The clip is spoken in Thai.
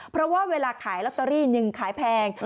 เพราะว่าเวลาขายลอตเตอรี่หนึ่งขายแพง